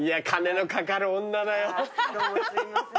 どうもすいません。